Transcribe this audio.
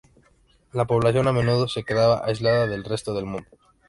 La población a menudo se quedaba aislada del resto del mundo.